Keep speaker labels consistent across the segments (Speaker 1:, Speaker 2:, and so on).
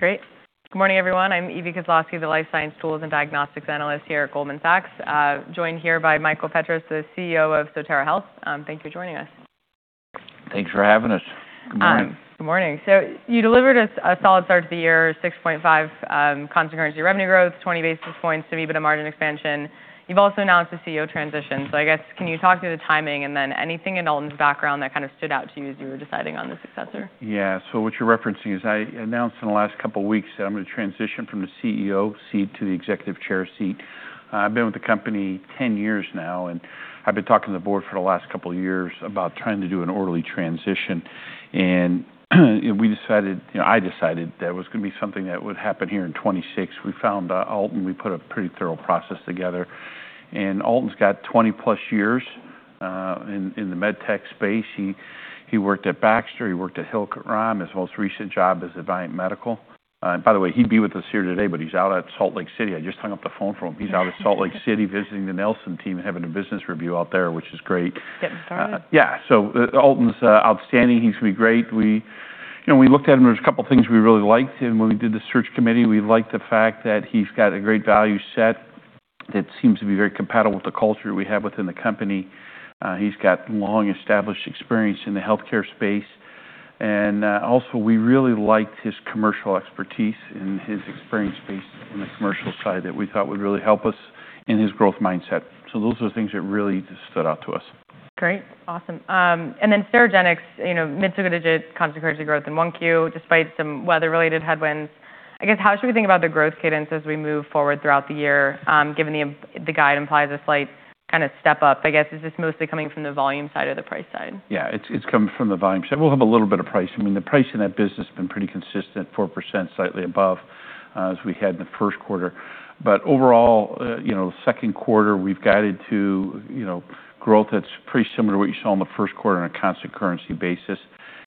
Speaker 1: All right, great. Good morning, everyone. I'm Evie Koslosky, the life science tools and diagnostics analyst here at Goldman Sachs. Joined here by Michael Petras, the CEO of Sotera Health. Thank you for joining us.
Speaker 2: Thanks for having us. Good morning.
Speaker 1: Good morning. You delivered us a solid start to the year, 6.5 constant currency revenue growth, 20 basis points to EBITDA margin expansion. You've also announced a CEO transition. I guess, can you talk through the timing and then anything in Alton's background that kind of stood out to you as you were deciding on the successor?
Speaker 2: Yeah. What you're referencing is I announced in the last couple of weeks that I'm going to transition from the CEO seat to the Executive Chair seat. I've been with the company 10 years now, I've been talking to the board for the last couple of years about trying to do an orderly transition. We decided, I decided that it was going to be something that would happen here in 2026. We found out, we put a pretty thorough process together. Alton's got 20+ years in the MedTech space. He worked at Baxter, he worked at Hill-Rom, his most recent job is at Vyaire Medical. By the way, he'd be with us here today, but he's out at Salt Lake City. I just hung up the phone from him. He's out at Salt Lake City visiting the Nelson team and having a business review out there, which is great.
Speaker 1: Getting started.
Speaker 2: Yeah. Alton's outstanding. He's going to be great. We looked at him. There's a couple of things we really liked him when we did the search committee. We liked the fact that he's got a great value set that seems to be very compatible with the culture we have within the company. He's got long-established experience in the healthcare space, we really liked his commercial expertise and his experience base on the commercial side that we thought would really help us in his growth mindset. Those are the things that really just stood out to us.
Speaker 1: Great. Awesome. Sterigenics, mid-single digit constant currency growth in one Q despite some weather-related headwinds. I guess, how should we think about the growth cadence as we move forward throughout the year, given the guide implies a slight step up? I guess is this mostly coming from the volume side or the price side?
Speaker 2: It's coming from the volume side. We'll have a little bit of price. The price in that business has been pretty consistent, 4%, slightly above, as we had in the first quarter. Overall, second quarter, we've guided to growth that's pretty similar to what you saw in the first quarter on a constant currency basis.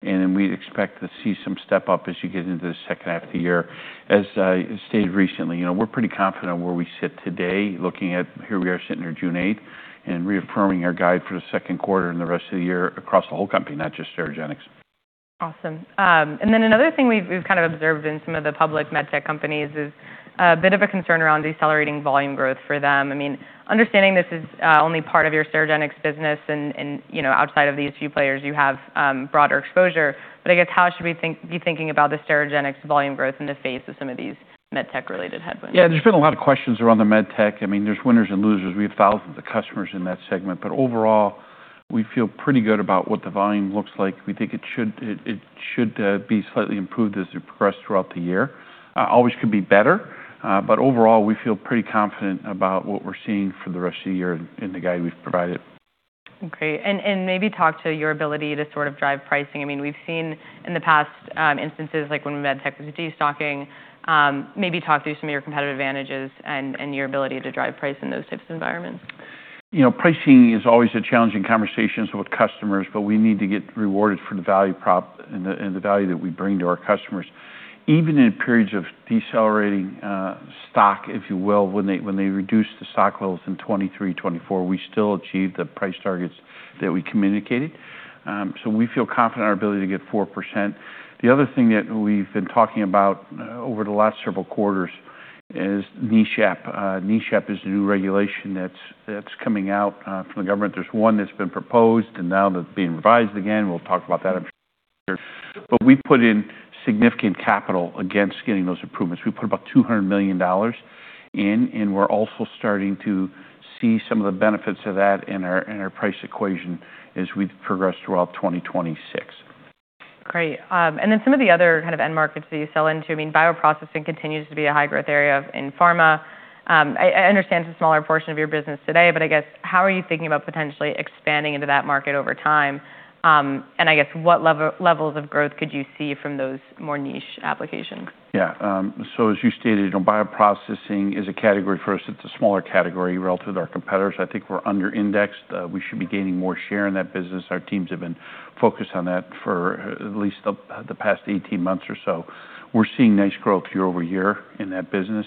Speaker 2: We expect to see some step up as you get into the second half of the year. As I stated recently, we're pretty confident where we sit today looking at here we are sitting here June 8th and reaffirming our guide for the second quarter and the rest of the year across the whole company, not just Sterigenics.
Speaker 1: Awesome. Another thing we've kind of observed in some of the public MedTech companies is a bit of a concern around decelerating volume growth for them. Understanding this is only part of your Sterigenics business and outside of these few players you have broader exposure, I guess how should we be thinking about the Sterigenics volume growth in the face of some of these MedTech-related headwinds?
Speaker 2: There's been a lot of questions around the MedTech. There's winners and losers. We have thousands of customers in that segment. Overall, we feel pretty good about what the volume looks like. We think it should be slightly improved as we progress throughout the year. Always could be better. Overall, we feel pretty confident about what we're seeing for the rest of the year and the guide we've provided.
Speaker 1: Okay. Maybe talk to your ability to sort of drive pricing. We've seen in the past instances like when MedTech was de-stocking, maybe talk through some of your competitive advantages and your ability to drive price in those types of environments.
Speaker 2: Pricing is always a challenging conversation with customers, but we need to get rewarded for the value that we bring to our customers. Even in periods of decelerating stock, if you will, when they reduce the stock levels in 2023, 2024, we still achieved the price targets that we communicated. We feel confident in our ability to get 4%. The other thing that we've been talking about over the last several quarters is NESHAP. NESHAP is a new regulation that's coming out from the government. There's one that's been proposed, and now that's being revised again. We'll talk about that, I'm sure. We put in significant capital against getting those improvements. We put about $200 million in, and we're also starting to see some of the benefits of that in our price equation as we progress throughout 2026.
Speaker 1: Great. Then some of the other kind of end markets that you sell into, bioprocessing continues to be a high-growth area in pharma. I understand it's a smaller portion of your business today, I guess how are you thinking about potentially expanding into that market over time? I guess what levels of growth could you see from those more niche applications?
Speaker 2: Yeah. As you stated, bioprocessing is a category for us. It's a smaller category relative to our competitors. I think we're under-indexed. We should be gaining more share in that business. Our teams have been focused on that for at least the past 18 months or so. We're seeing nice growth year-over-year in that business,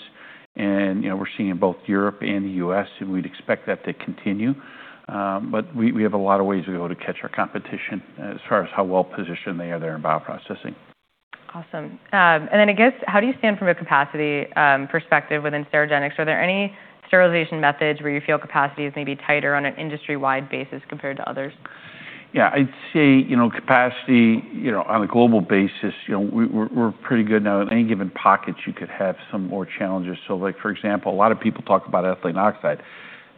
Speaker 2: we're seeing in both Europe and the U.S., we'd expect that to continue. We have a lot of ways we go to catch our competition as far as how well-positioned they are there in bioprocessing.
Speaker 1: Awesome. Then I guess, how do you stand from a capacity perspective within Sterigenics? Are there any sterilization methods where you feel capacity is maybe tighter on an industry-wide basis compared to others?
Speaker 2: I'd say capacity on a global basis, we're pretty good now. In any given pocket, you could have some more challenges. For example, a lot of people talk about ethylene oxide.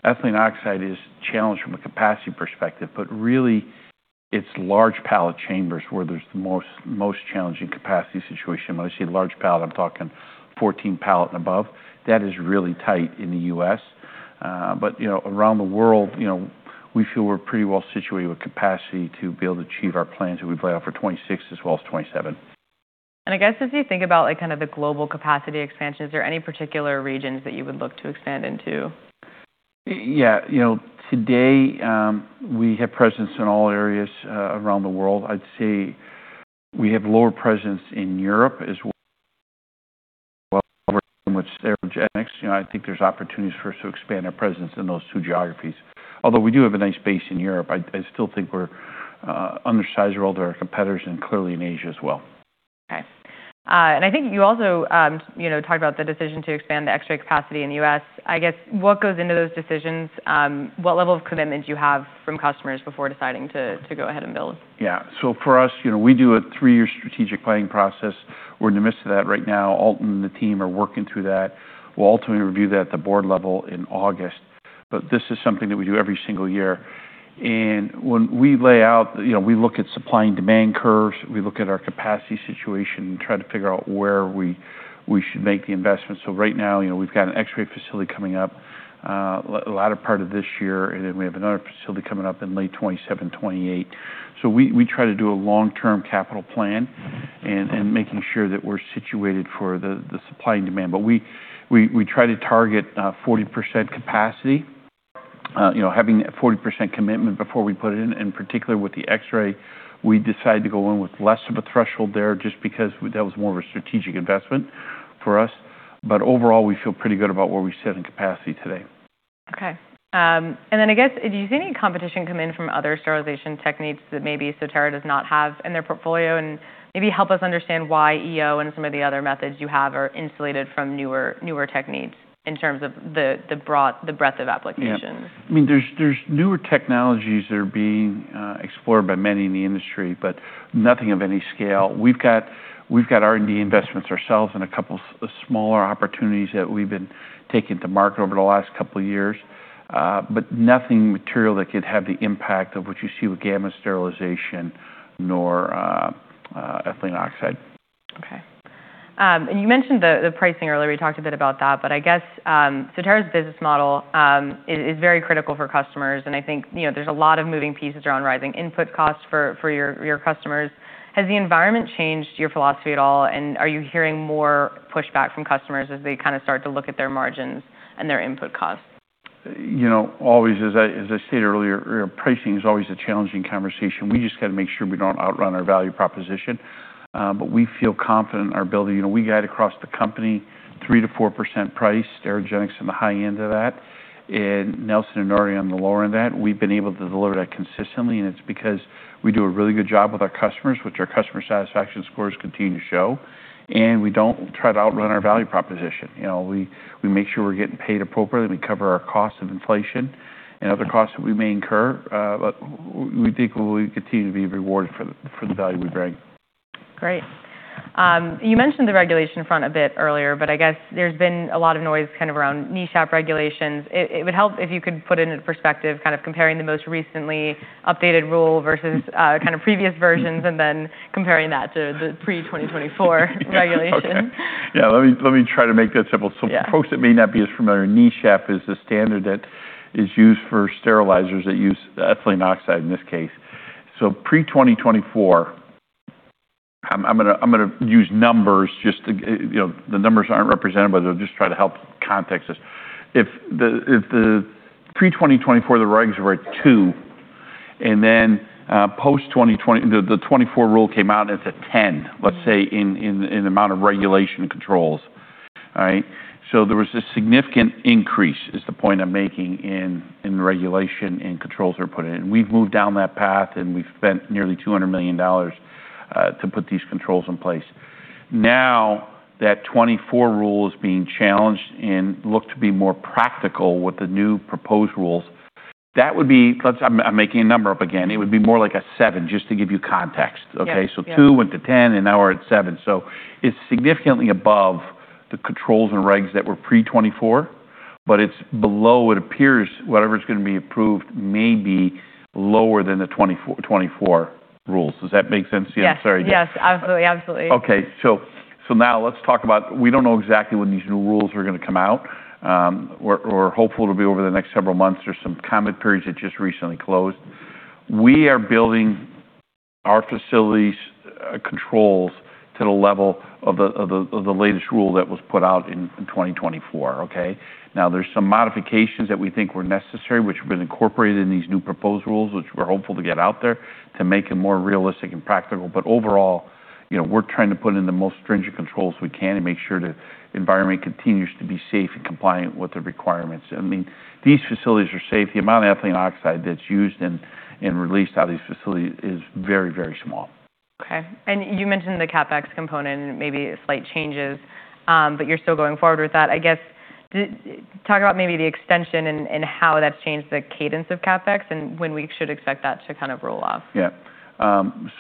Speaker 2: ethylene oxide is challenged from a capacity perspective, but really it's large pallet chambers where there's the most challenging capacity situation. When I say large pallet, I'm talking 14 pallet and above. That is really tight in the U.S. Around the world, we feel we're pretty well situated with capacity to be able to achieve our plans that we've laid out for 2026 as well as 2027.
Speaker 1: I guess as you think about the global capacity expansion, is there any particular regions that you would look to expand into?
Speaker 2: Yeah. Today, we have presence in all areas around the world. I'd say we have lower presence in Europe. With Sterigenics, I think there's opportunities for us to expand our presence in those two geographies. Although we do have a nice base in Europe, I still think we're undersized to all of our competitors, clearly in Asia as well.
Speaker 1: Okay. I think you also talked about the decision to expand the X-ray capacity in the U.S. I guess, what goes into those decisions? What level of commitment do you have from customers before deciding to go ahead and build?
Speaker 2: For us, we do a three-year strategic planning process. We're in the midst of that right now. Alton and the team are working through that. We'll ultimately review that at the board level in August. This is something that we do every single year. When we lay out, we look at supply and demand curves, we look at our capacity situation, and try to figure out where we should make the investment. Right now, we've got an X-ray facility coming up latter part of this year, and then we have another facility coming up in late 2027, 2028. We try to do a long-term capital plan and making sure that we're situated for the supply and demand. We try to target 40% capacity, having a 40% commitment before we put it in. In particular with the X-ray, we decided to go in with less of a threshold there just because that was more of a strategic investment for us. Overall, we feel pretty good about where we sit in capacity today.
Speaker 1: Okay. I guess, do you see any competition come in from other sterilization techniques that maybe Sotera does not have in their portfolio? Maybe help us understand why EO and some of the other methods you have are insulated from newer techniques in terms of the breadth of applications.
Speaker 2: Yeah. There's newer technologies that are being explored by many in the industry, nothing of any scale. We've got R&D investments ourselves in a couple smaller opportunities that we've been taking to market over the last couple of years. Nothing material that could have the impact of what you see with gamma sterilization, nor ethylene oxide.
Speaker 1: Okay. You mentioned the pricing earlier, we talked a bit about that. I guess Sotera's business model is very critical for customers, and I think there's a lot of moving pieces around rising input costs for your customers. Has the environment changed your philosophy at all, and are you hearing more pushback from customers as they start to look at their margins and their input costs?
Speaker 2: Always, as I stated earlier, pricing is always a challenging conversation. We just got to make sure we don't outrun our value proposition. We feel confident in our ability. We guide across the company 3%-4% price, Sterigenics on the high end of that, and Nelson Labs and Nordion on the lower end of that. We've been able to deliver that consistently, and it's because we do a really good job with our customers, which our customer satisfaction scores continue to show, and we don't try to outrun our value proposition. We make sure we're getting paid appropriately, and we cover our costs of inflation and other costs that we may incur. We think we continue to be rewarded for the value we bring.
Speaker 1: Great. You mentioned the regulation front a bit earlier. I guess there's been a lot of noise around NESHAP regulations. It would help if you could put it into perspective, comparing the most recently updated rule versus previous versions, and then comparing that to the pre-2024 regulation.
Speaker 2: Okay. Yeah, let me try to make that simple.
Speaker 1: Yeah.
Speaker 2: Folks that may not be as familiar, NESHAP is the standard that is used for sterilizers that use ethylene oxide in this case. Pre-2024, I'm going to use numbers. The numbers aren't representative, but they'll just try to help context this. If the pre-2024, the regs were at two, and then the 2024 rule came out, and it's at 10. Let's say in the amount of regulation controls. There was a significant increase, is the point I'm making, in the regulation and controls that are put in. We've moved down that path, and we've spent nearly $200 million to put these controls in place. Now, that 2024 rule is being challenged and looked to be more practical with the new proposed rules. I'm making a number up again. It would be more like a seven, just to give you context, okay?
Speaker 1: Yeah.
Speaker 2: Two went to 10, and now we're at seven. It's significantly above the controls and regs that were pre-2024, but it's below, it appears, whatever's going to be approved may be lower than the 2024 rules. Does that make sense? Yeah. Sorry.
Speaker 1: Yes. Absolutely.
Speaker 2: Okay. Now let's talk about, we don't know exactly when these new rules are going to come out. We're hopeful it'll be over the next several months. There's some comment periods that just recently closed. We are building our facilities' controls to the level of the latest rule that was put out in 2024, okay? There's some modifications that we think were necessary, which have been incorporated in these new proposed rules, which we're hopeful to get out there to make it more realistic and practical. Overall, we're trying to put in the most stringent controls we can and make sure the environment continues to be safe and compliant with the requirements. These facilities are safe. The amount of ethylene oxide that's used and released out of these facilities is very, very small.
Speaker 1: Okay. You mentioned the CapEx component and maybe slight changes, but you're still going forward with that. Talk about maybe the extension and how that's changed the cadence of CapEx and when we should expect that to roll off.
Speaker 2: Yeah.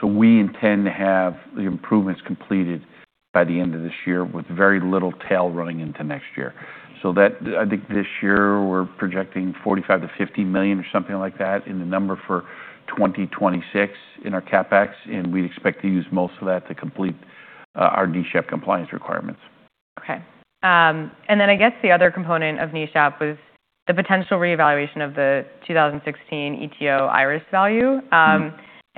Speaker 2: We intend to have the improvements completed by the end of this year with very little tail running into next year. I think this year we're projecting $45 million-$50 million or something like that in the number for 2026 in our CapEx, and we expect to use most of that to complete our NESHAP compliance requirements.
Speaker 1: Okay. I guess the other component of NESHAP was the potential reevaluation of the 2016 EtO IRIS value.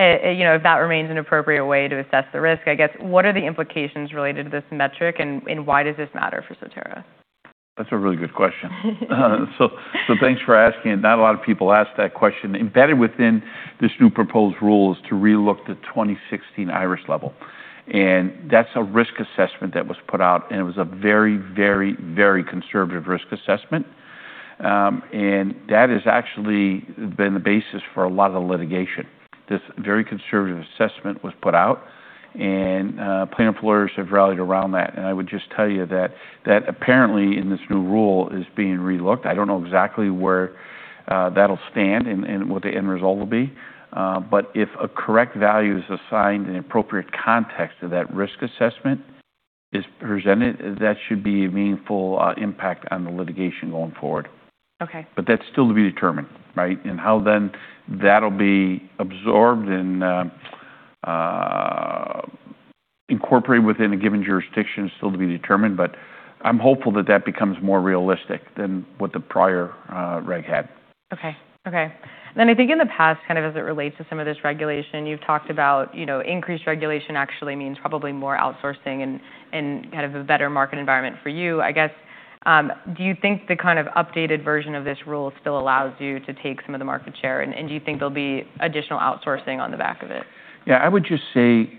Speaker 1: If that remains an appropriate way to assess the risk, I guess, what are the implications related to this metric, and why does this matter for Sotera?
Speaker 2: Thanks for asking. Not a lot of people ask that question. Embedded within this new proposed rule is to re-look the 2016 IRIS level, and that's a risk assessment that was put out, and it was a very conservative risk assessment. That has actually been the basis for a lot of the litigation. This very conservative assessment was put out, and plaintiff lawyers have rallied around that. I would just tell you that apparently in this new rule is being re-looked. I don't know exactly where that'll stand and what the end result will be. If a correct value is assigned in appropriate context to that risk assessment is presented, that should be a meaningful impact on the litigation going forward.
Speaker 1: Okay.
Speaker 2: That's still to be determined, right? How then that'll be absorbed and incorporated within a given jurisdiction is still to be determined, but I'm hopeful that that becomes more realistic than what the prior reg had.
Speaker 1: Okay. I think in the past, kind of as it relates to some of this regulation, you've talked about increased regulation actually means probably more outsourcing and kind of a better market environment for you, I guess. Do you think the kind of updated version of this rule still allows you to take some of the market share, and do you think there'll be additional outsourcing on the back of it?
Speaker 2: I would just say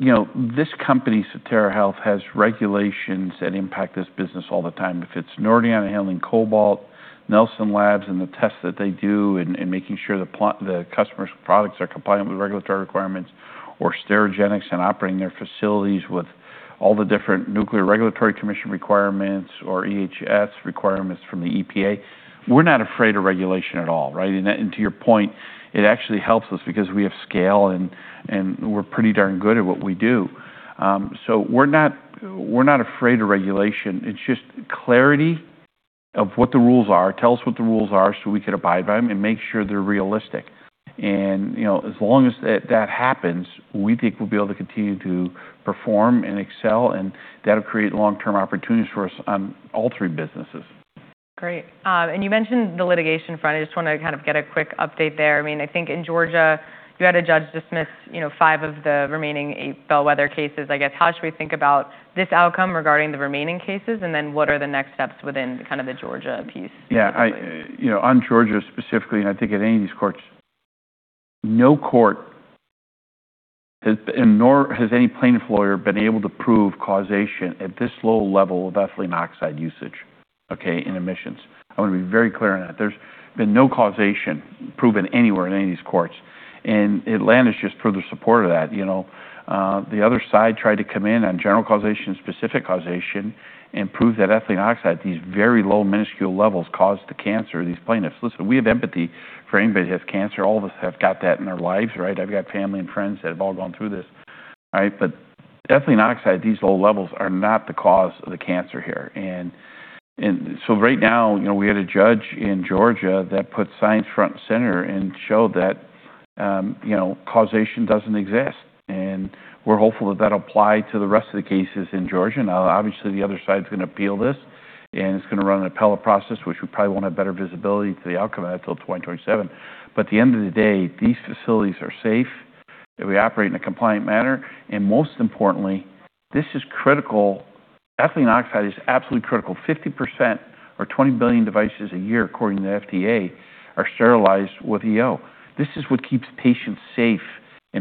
Speaker 2: this company, Sotera Health, has regulations that impact this business all the time. If it's Nordion handling cobalt, Nelson Labs and the tests that they do, and making sure the customer's products are compliant with regulatory requirements, or Sterigenics and operating their facilities with all the different Nuclear Regulatory Commission requirements or EHS requirements from the EPA. We're not afraid of regulation at all, right? To your point, it actually helps us because we have scale, and we're pretty darn good at what we do. We're not afraid of regulation. It's just clarity of what the rules are. Tell us what the rules are so we can abide by them and make sure they're realistic. As long as that happens, we think we'll be able to continue to perform and excel, and that'll create long-term opportunities for us on all three businesses.
Speaker 1: Great. You mentioned the litigation front. I just want to kind of get a quick update there. I think in Georgia, you had a judge dismiss five of the remaining eight bellwether cases, I guess. How should we think about this outcome regarding the remaining cases, and then what are the next steps within kind of the Georgia piece specifically?
Speaker 2: On Georgia specifically, I think at any of these courts, no court nor has any plaintiff lawyer been able to prove causation at this low level of ethylene oxide usage in emissions. I want to be very clear on that. There's been no causation proven anywhere in any of these courts, Atlanta's just further support of that. The other side tried to come in on general causation and specific causation and prove that ethylene oxide, these very low minuscule levels caused the cancer in these plaintiffs. Listen, we have empathy for anybody who has cancer. All of us have got that in our lives, right? I've got family and friends that have all gone through this, right? Ethylene oxide, these low levels are not the cause of the cancer here. Right now, we had a judge in Georgia that put science front and center and showed that causation doesn't exist. We're hopeful that that'll apply to the rest of the cases in Georgia. Obviously, the other side's going to appeal this, and it's going to run an appellate process, which we probably won't have better visibility to the outcome of that until 2027. At the end of the day, these facilities are safe, that we operate in a compliant manner, and most importantly, this is critical. Ethylene oxide is absolutely critical. 50% or 20 billion devices a year, according to the FDA, are sterilized with EO. This is what keeps patients safe,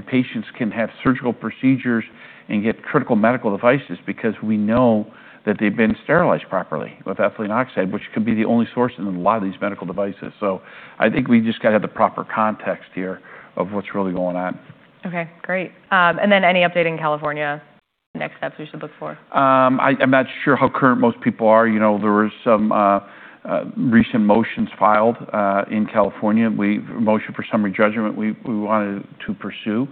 Speaker 2: patients can have surgical procedures and get critical medical devices because we know that they've been sterilized properly with ethylene oxide, which could be the only source in a lot of these medical devices. I think we just got to have the proper context here of what's really going on.
Speaker 1: Okay, great. Any update in California, next steps we should look for?
Speaker 2: I'm not sure how current most people are. There were some recent motions filed in California. We motion for summary judgment we wanted to pursue.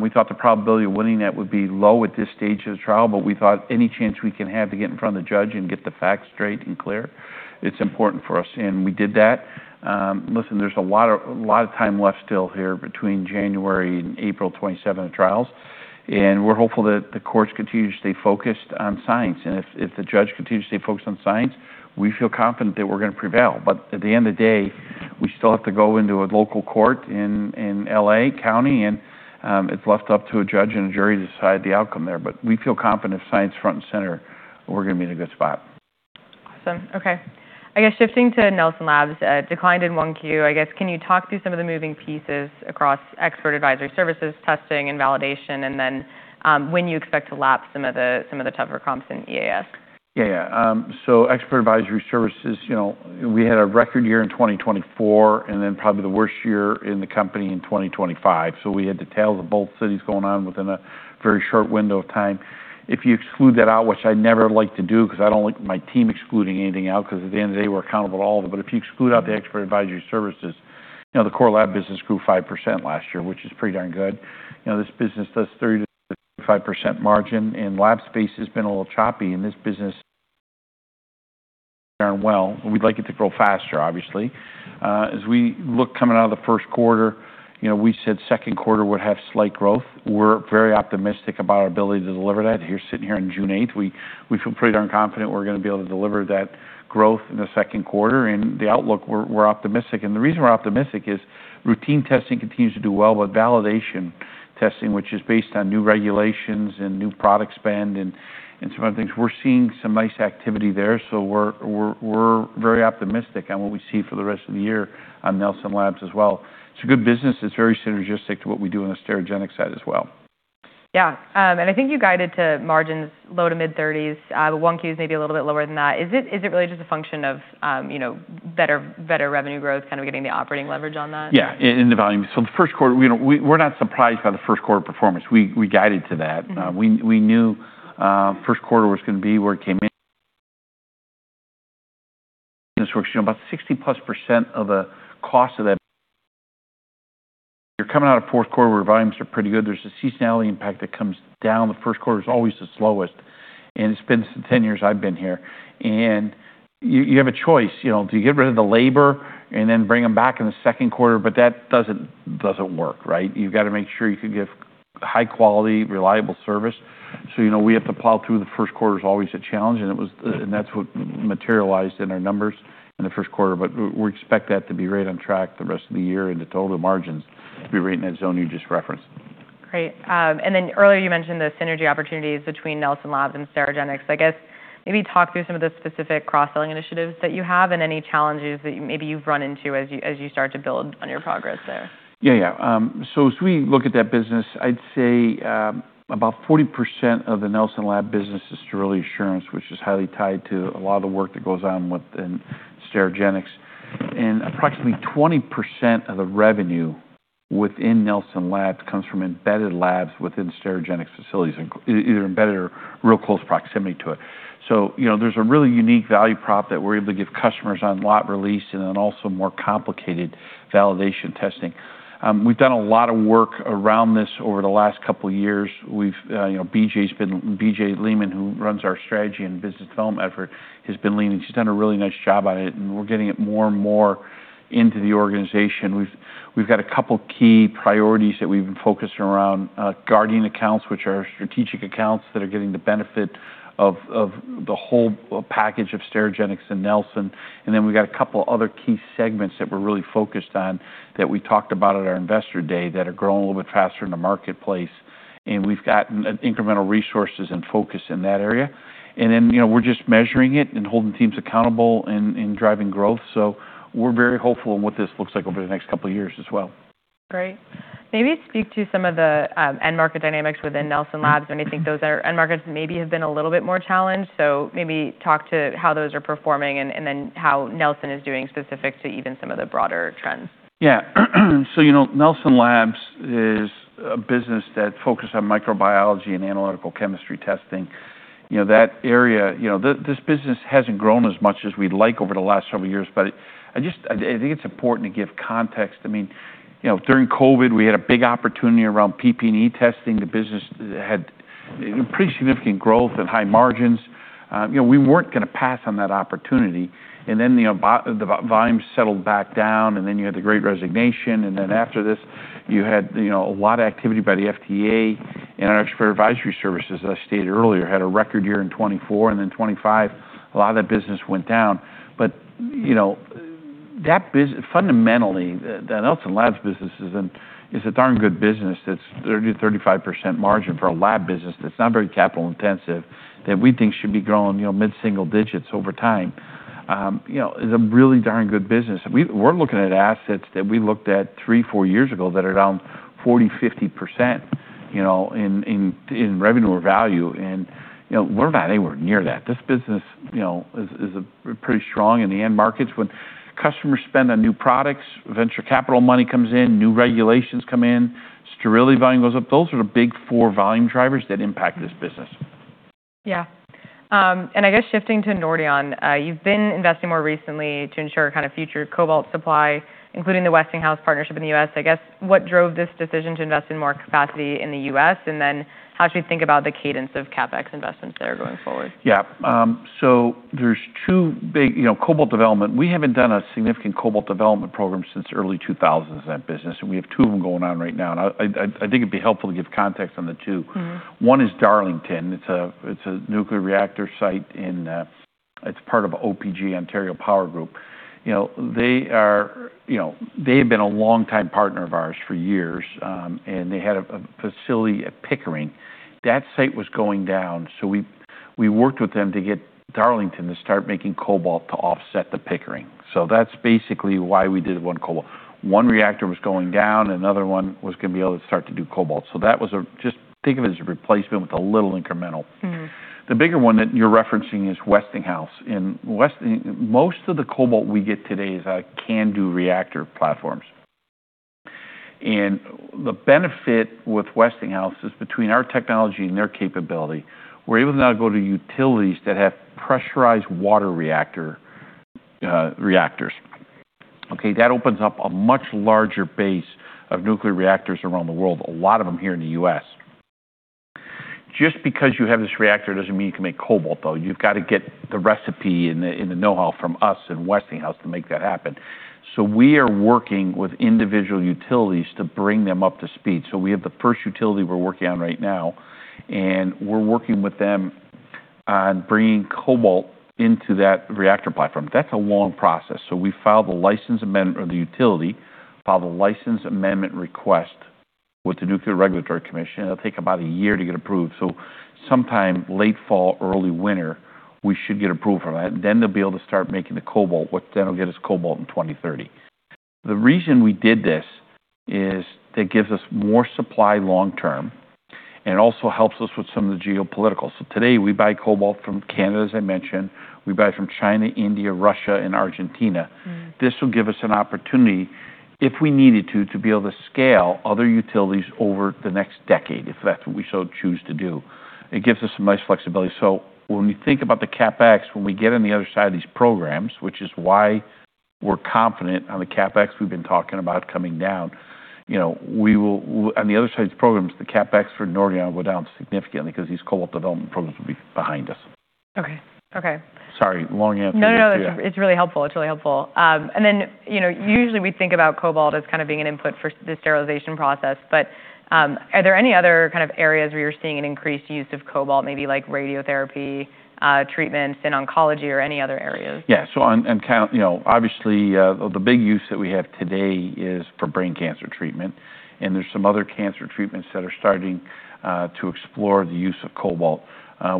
Speaker 2: We thought the probability of winning that would be low at this stage of the trial, we thought any chance we can have to get in front of the judge and get the facts straight and clear, it's important for us. We did that. Listen, there's a lot of time left still here between January and April 27 of trials, we're hopeful that the courts continue to stay focused on science. If the judge continues to stay focused on science, we feel confident that we're going to prevail. At the end of the day, we still have to go into a local court in L.A. County, it's left up to a judge and a jury to decide the outcome there. We feel confident, science front and center, we're going to be in a good spot.
Speaker 1: Awesome. Okay. I guess shifting to Nelson Labs declined in 1Q. I guess, can you talk through some of the moving pieces across expert advisory services, testing, and validation, and then when you expect to lap some of the tougher comps in EAS?
Speaker 2: Yeah. Expert advisory services, we had a record year in 2024 and then probably the worst year in the company in 2025. We had the tale of the both cities going on within a very short window of time. If you exclude that out, which I never like to do because I don't like my team excluding anything out, because at the end of the day, we're accountable to all of it. If you exclude out the expert advisory services, the core lab business grew 5% last year, which is pretty darn good. This business does 30%-35% margin, and lab space has been a little choppy. Darn well. We'd like it to grow faster, obviously. As we look coming out of the first quarter, we said second quarter would have slight growth. We're very optimistic about our ability to deliver that. Sitting here on June 8th, we feel pretty darn confident we're going to be able to deliver that growth in the second quarter. The outlook, we're optimistic. The reason we're optimistic is routine testing continues to do well, but validation testing, which is based on new regulations and new product spend and some other things, we're seeing some nice activity there. We're very optimistic on what we see for the rest of the year on Nelson Labs as well. It's a good business that's very synergistic to what we do on the Sterigenics side as well.
Speaker 1: Yeah. I think you guided to margins low to mid-30s, but 1Q is maybe a little bit lower than that. Is it really just a function of better revenue growth, kind of getting the operating leverage on that?
Speaker 2: Yeah, in the volume. The first quarter, we're not surprised by the first quarter performance. We guided to that. We knew first quarter was going to be where it came in. About 60+% of the cost of that. You're coming out of fourth quarter where volumes are pretty good. There's a seasonality impact that comes down. The first quarter is always the slowest, and it's been 10 years I've been here. You have a choice. Do you get rid of the labor and then bring them back in the second quarter? That doesn't work, right? You've got to make sure you can give high quality, reliable service. We have to plow through. The first quarter is always a challenge, and that's what materialized in our numbers in the first quarter, but we expect that to be right on track the rest of the year into total margins to be right in that zone you just referenced.
Speaker 1: Great. Earlier you mentioned the synergy opportunities between Nelson Labs and Sterigenics. I guess maybe talk through some of the specific cross-selling initiatives that you have and any challenges that maybe you've run into as you start to build on your progress there.
Speaker 2: Yeah. As we look at that business, I'd say about 40% of the Nelson Lab business is sterility assurance, which is highly tied to a lot of the work that goes on within Sterigenics. Approximately 20% of the revenue within Nelson Labs comes from embedded labs within Sterigenics facilities, either embedded or real close proximity to it. There's a really unique value prop that we're able to give customers on lot release and then also more complicated validation testing. We've done a lot of work around this over the last couple of years. BJ Lehmann, who runs our strategy and business development effort, has been leading. She's done a really nice job on it, and we're getting it more and more into the organization. We've got a couple key priorities that we've been focusing around, guardian accounts, which are strategic accounts that are getting the benefit of the whole package of Sterigenics and Nelson. We've got a couple other key segments that we're really focused on that we talked about at our investor day that are growing a little bit faster in the marketplace, and we've gotten incremental resources and focus in that area. We're just measuring it and holding teams accountable and driving growth. We're very hopeful in what this looks like over the next couple of years as well.
Speaker 1: Great. Maybe speak to some of the end market dynamics within Nelson Labs. I may think those end markets maybe have been a little bit more challenged, maybe talk to how those are performing. How Nelson is doing specific to even some of the broader trends.
Speaker 2: Yeah. Nelson Labs is a business that focuses on microbiology and analytical chemistry testing. This business hasn't grown as much as we'd like over the last several years, but I think it's important to give context. During COVID, we had a big opportunity around PP&E testing. The business had pretty significant growth and high margins. We weren't going to pass on that opportunity. The volumes settled back down, you had the great resignation. After this you had a lot of activity by the FDA and our expert advisory services, as I stated earlier, had a record year in 2024 and then 2025. A lot of that business went down. Fundamentally, that Nelson Labs business is a darn good business. That's 30%-35% margin for a lab business that's not very capital intensive that we think should be growing mid-single digits over time. It's a really darn good business. We're looking at assets that we looked at three, four years ago that are down 40%-50% in revenue or value, and we're not anywhere near that. This business is pretty strong in the end markets. When customers spend on new products, venture capital money comes in, new regulations come in, sterility volume goes up. Those are the big four volume drivers that impact this business.
Speaker 1: Yeah. I guess shifting to Nordion, you've been investing more recently to ensure future cobalt supply, including the Westinghouse partnership in the U.S. I guess, what drove this decision to invest in more capacity in the U.S., and how should we think about the cadence of CapEx investments there going forward?
Speaker 2: Yeah. There's cobalt development. We haven't done a significant cobalt development program since early 2000s in that business. We have two of them going on right now. I think it'd be helpful to give context on the two. One is Darlington. It's a nuclear reactor site, it's part of OPG, Ontario Power Group. They have been a longtime partner of ours for years. They had a facility at Pickering. That site was going down. We worked with them to get Darlington to start making cobalt to offset the Pickering. That's basically why we did one cobalt. One reactor was going down. Another one was going to be able to start to do cobalt. Just think of it as a replacement with a little incremental. The bigger one that you're referencing is Westinghouse. Most of the cobalt we get today is out of CANDU reactor platforms. The benefit with Westinghouse is between our technology and their capability, we're able to now go to utilities that have pressurized water reactors. Okay? That opens up a much larger base of nuclear reactors around the world, a lot of them here in the U.S. Just because you have this reactor doesn't mean you can make cobalt, though. You've got to get the recipe and the know-how from us and Westinghouse to make that happen. We are working with individual utilities to bring them up to speed. We have the first utility we're working on right now, and we're working with them on bringing cobalt into that reactor platform. That's a long process. We file the license amendment, or the utility file the license amendment request with the Nuclear Regulatory Commission, it'll take about a year to get approved. Sometime late fall, early winter, we should get approval for that. They'll be able to start making the cobalt, what then will get us cobalt in 2030. The reason we did this is that gives us more supply long term and also helps us with some of the geopolitical. Today we buy cobalt from Canada, as I mentioned. We buy from China, India, Russia, and Argentina. This will give us an opportunity, if we needed to be able to scale other utilities over the next decade, if that's what we so choose to do. It gives us some nice flexibility. When we think about the CapEx, when we get on the other side of these programs, which is why we're confident on the CapEx we've been talking about coming down. On the other side of the programs, the CapEx for Nordion will go down significantly because these cobalt development programs will be behind us.
Speaker 1: Okay.
Speaker 2: Sorry, long answer.
Speaker 1: No, it's really helpful. Usually we think about cobalt as kind of being an input for the sterilization process, are there any other kind of areas where you're seeing an increased use of cobalt, maybe like radiotherapy treatments in oncology or any other areas?
Speaker 2: The big use that we have today is for brain cancer treatment, and there's some other cancer treatments that are starting to explore the use of cobalt.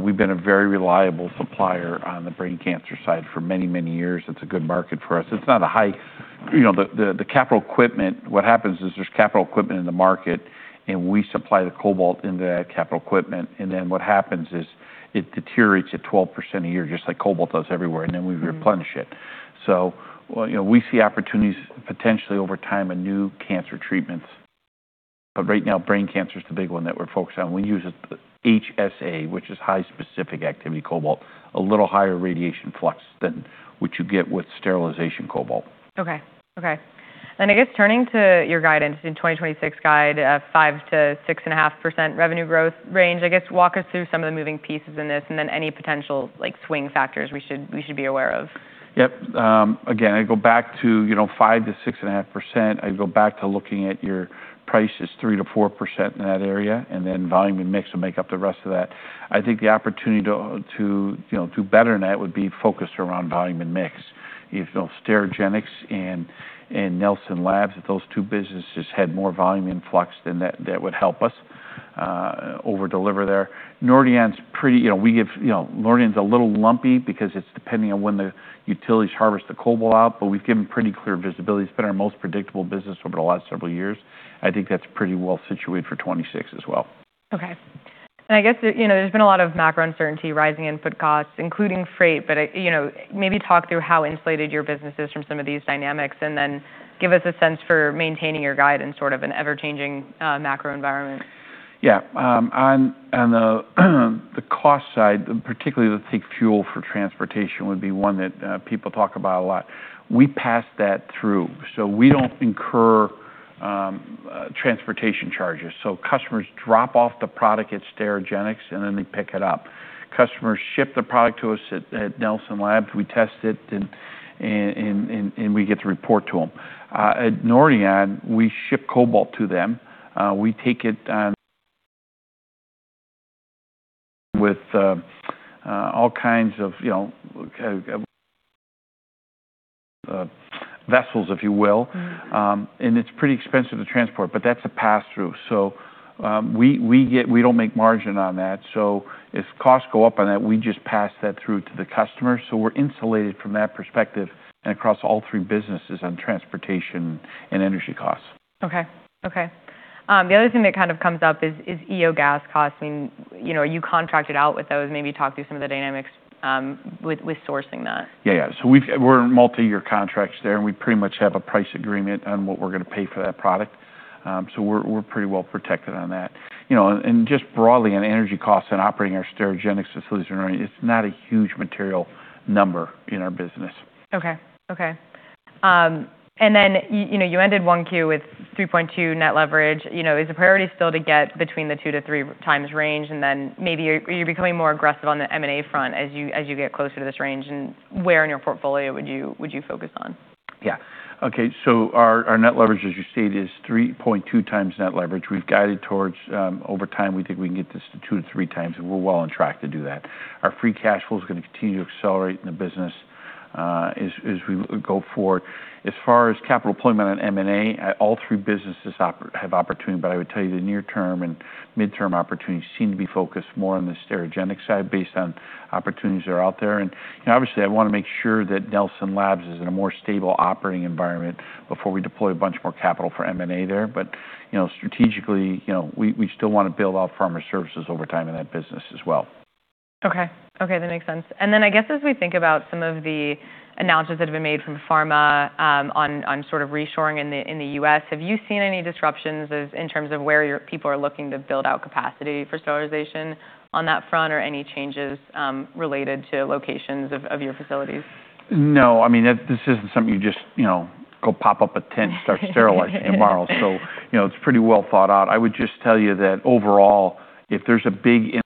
Speaker 2: We've been a very reliable supplier on the brain cancer side for many, many years. It's a good market for us. The capital equipment, what happens is there's capital equipment in the market, and we supply the cobalt into that capital equipment, and then what happens is it deteriorates at 12% a year, just like cobalt does everywhere. Then we replenish it. We see opportunities potentially over time in new cancer treatments. Right now, brain cancer is the big one that we're focused on. We use HSA, which is high specific activity cobalt, a little higher radiation flux than what you get with sterilization cobalt.
Speaker 1: Okay. I guess turning to your guidance in 2026 guide, 5%-6.5% revenue growth range, I guess walk us through some of the moving pieces in this and then any potential swing factors we should be aware of.
Speaker 2: Yep. Again, I go back to 5%-6.5%. I go back to looking at your price is 3%-4% in that area, then volume and mix will make up the rest of that. I think the opportunity to do better than that would be focused around volume and mix. If Sterigenics and Nelson Labs, if those two businesses had more volume influx, then that would help us over deliver there. Nordion's a little lumpy because it's depending on when the utilities harvest the cobalt out, but we've given pretty clear visibility. It's been our most predictable business over the last several years. I think that's pretty well situated for 2026 as well.
Speaker 1: Okay. I guess, there's been a lot of macro uncertainty, rising input costs, including freight. Maybe talk through how insulated your business is from some of these dynamics, and then give us a sense for maintaining your guide in sort of an ever-changing macro environment.
Speaker 2: Yeah. On the cost side, particularly let's take fuel for transportation would be one that people talk about a lot. We pass that through, so we don't incur transportation charges. Customers drop off the product at Sterigenics, and then they pick it up. Customers ship the product to us at Nelson Labs, we test it, and we get to report to them. At Nordion, we ship cobalt to them. We take it on with all kinds of vessels, if you will. It's pretty expensive to transport, that's a pass-through. We don't make margin on that. If costs go up on that, we just pass that through to the customer. We're insulated from that perspective and across all three businesses on transportation and energy costs.
Speaker 1: Okay. The other thing that kind of comes up is EO gas costs. Are you contracted out with those? Maybe talk through some of the dynamics with sourcing that.
Speaker 2: Yeah. We're multi-year contracts there. We pretty much have a price agreement on what we're going to pay for that product. We're pretty well protected on that. Just broadly, on energy costs and operating our Sterigenics facility, it's not a huge material number in our business.
Speaker 1: Okay. You ended 1Q with 3.2x net leverage. Is the priority still to get between the 2x-3x range? Maybe, are you becoming more aggressive on the M&A front as you get closer to this range, and where in your portfolio would you focus on?
Speaker 2: Yeah. Okay, our net leverage, as you stated, is 3.2x net leverage. We've guided towards, over time, we think we can get this to 2x-3x. We're well on track to do that. Our free cash flow is going to continue to accelerate in the business as we go forward. As far as capital deployment on M&A, all three businesses have opportunity, but I would tell you the near term and midterm opportunities seem to be focused more on the Sterigenics side based on opportunities that are out there. Obviously, I want to make sure that Nelson Labs is in a more stable operating environment before we deploy a bunch more capital for M&A there. Strategically, we still want to build out pharma services over time in that business as well.
Speaker 1: Okay. That makes sense. I guess as we think about some of the announcements that have been made from pharma, on sort of reshoring in the U.S., have you seen any disruptions in terms of where your people are looking to build out capacity for sterilization on that front or any changes related to locations of your facilities?
Speaker 2: No. This isn't something you just go pop up a tent and start sterilizing tomorrow. It's pretty well thought out. I would just tell you that overall, if there's a big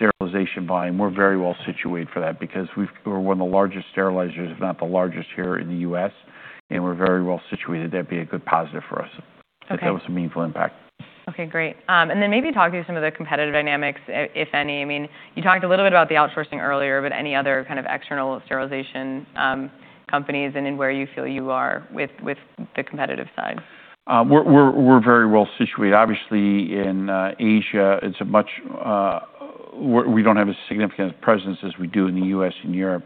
Speaker 2: increase in sterilization volume, we're very well situated for that because we're one of the largest sterilizers, if not the largest here in the U.S., and we're very well situated. That'd be a good positive for us.
Speaker 1: Okay.
Speaker 2: That was a meaningful impact.
Speaker 1: Okay, great. Maybe talk through some of the competitive dynamics, if any. You talked a little bit about the outsourcing earlier, but any other kind of external sterilization companies and where you feel you are with the competitive side?
Speaker 2: We're very well-situated. Obviously, in Asia, we don't have as significant presence as we do in the U.S. and Europe.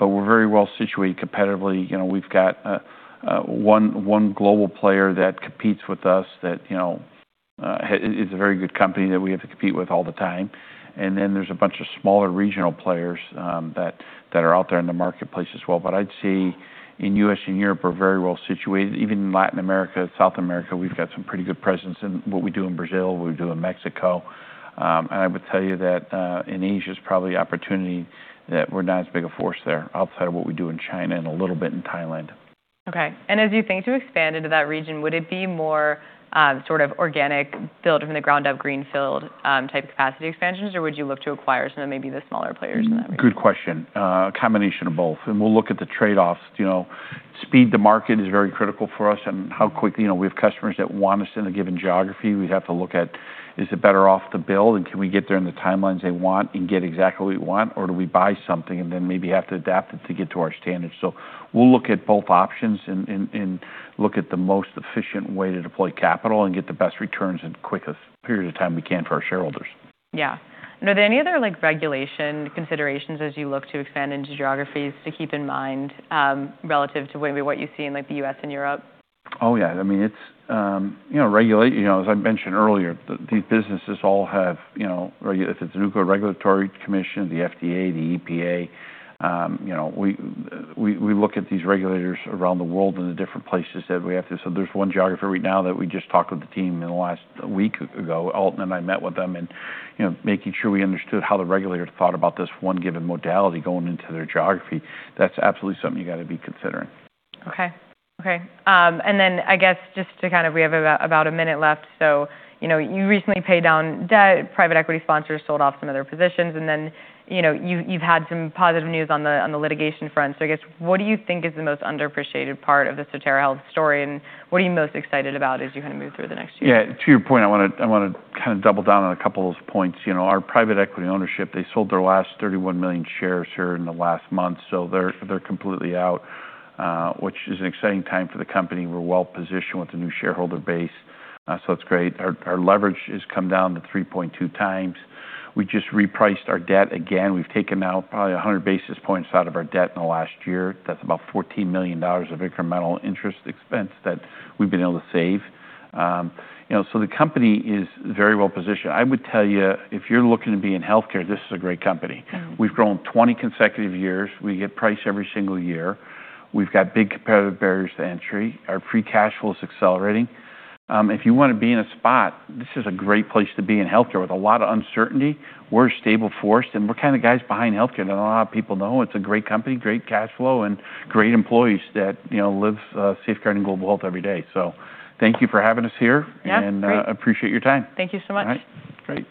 Speaker 2: We're very well-situated competitively. We've got one global player that competes with us that is a very good company that we have to compete with all the time. There's a bunch of smaller regional players that are out there in the marketplace as well. I'd say in U.S. and Europe, we're very well-situated. Even in Latin America, South America, we've got some pretty good presence in what we do in Brazil, what we do in Mexico. I would tell you that in Asia, it's probably opportunity that we're not as big a force there outside of what we do in China and a little bit in Thailand.
Speaker 1: Okay. As you think to expand into that region, would it be more sort of organic build from the ground up greenfield type capacity expansions, or would you look to acquire some of maybe the smaller players in that region?
Speaker 2: Good question. A combination of both, and we'll look at the trade-offs. Speed to market is very critical for us and how quickly we have customers that want us in a given geography. We have to look at is it better off to build, and can we get there in the timelines they want and get exactly what we want, or do we buy something and then maybe have to adapt it to get to our standards? We'll look at both options and look at the most efficient way to deploy capital and get the best returns in the quickest period of time we can for our shareholders.
Speaker 1: Yeah. Are there any other regulation considerations as you look to expand into geographies to keep in mind relative to maybe what you see in the U.S. and Europe?
Speaker 2: Oh, yeah. As I mentioned earlier, these businesses all have, if it's a Nuclear Regulatory Commission, the FDA, the EPA, we look at these regulators around the world in the different places that we have to. There's one geography right now that we just talked with the team in the last week ago. Alton and I met with them and making sure we understood how the regulators thought about this one given modality going into their geography. That's absolutely something you got to be considering.
Speaker 1: I guess we have about a minute left. You recently paid down debt. Private equity sponsors sold off some of their positions, you've had some positive news on the litigation front. I guess, what do you think is the most underappreciated part of the Sotera Health story, and what are you most excited about as you move through the next year?
Speaker 2: Yeah, to your point, I want to double down on a couple of points. Our private equity ownership, they sold their last 31 million shares here in the last month, they're completely out, which is an exciting time for the company. We're well-positioned with the new shareholder base, it's great. Our leverage has come down to 3.2x. We just repriced our debt again. We've taken out probably 100 basis points out of our debt in the last year. That's about $14 million of incremental interest expense that we've been able to save. The company is very well-positioned. I would tell you, if you're looking to be in healthcare, this is a great company. We've grown 20 consecutive years. We get priced every single year. We've got big competitive barriers to entry. Our free cash flow is accelerating. If you want to be in a spot, this is a great place to be in healthcare with a lot of uncertainty. We're a stable force, and we're kind of guys behind healthcare that a lot of people know. It's a great company, great cash flow, and great employees that live safeguarding global health every day. Thank you for having us here.
Speaker 1: Yeah, great.
Speaker 2: I appreciate your time.
Speaker 1: Thank you so much.
Speaker 2: All right. Great.